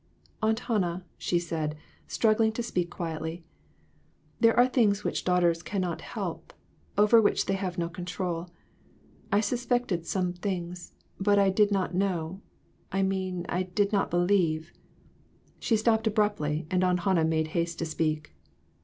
"Aunt Hannah," she said, struggling to speak quietly, "there are things which daughters cannot help ; over which they have no control. I sus pected some things, but I did not know I mean I did not believe " She stopped abruptly, and Aunt Hannah made haste to speak.